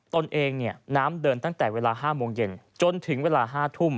ตนเองเนี่ยน้ำเดินตั้งแต่เวลา๕โมงเย็นจนถึงเวลา๕ทุ่ม